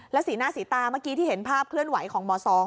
และศีร่าศีร้าที่เห็นภาพเคลื่อนไหวของหมอสอง